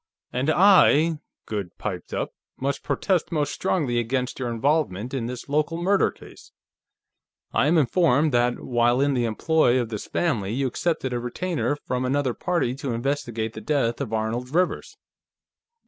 "And I," Goode piped up, "must protest most strongly against your involvement in this local murder case. I am informed that, while in the employ of this family, you accepted a retainer from another party to investigate the death of Arnold Rivers."